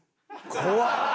怖っ！